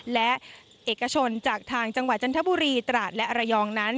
และเอกชนจากทางจังหวัดจันทบุรีตราดและระยองนั้น